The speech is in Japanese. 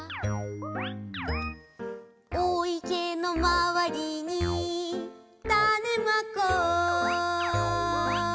「お池のまわりにタネまこう」